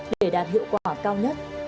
để đạt hiệu quả cao nhất